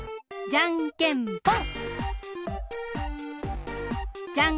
じゃんけんぽん！